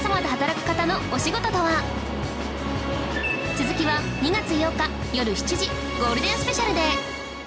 続きは２月８日よる７時ゴールデンスペシャルで